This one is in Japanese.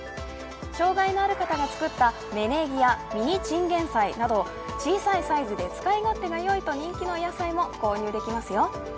障害のある方が作った芽ネギやミニチンゲン菜など小さいサイズで使い勝手がよいと人気の野菜も購入できますよ。